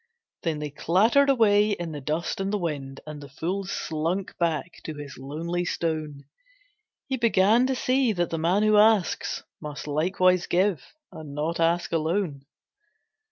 Then they clattered away in the dust and the wind, And the fool slunk back to his lonely stone; He began to see that the man who asks Must likewise give and not ask alone.